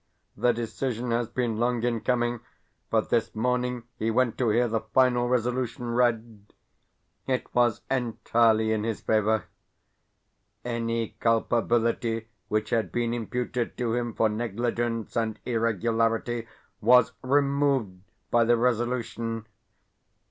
The decision has been long in coming, but this morning he went to hear the final resolution read. It was entirely in his favour. Any culpability which had been imputed to him for negligence and irregularity was removed by the resolution.